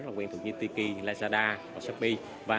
rất là quen thuộc như tiki lazada shopee